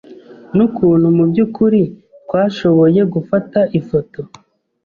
n'ukuntu mu by'ukuri twashoboye gufata ifoto